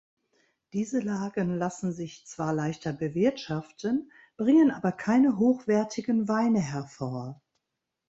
Diese Lagen lassen sich zwar leichter bewirtschaften, bringen aber keine hochwertigen Weine hervor.